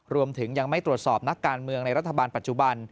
รวมถึงยังไม่ตรวจสอบนักการเมืองในรัฐบาลปัจจุบัน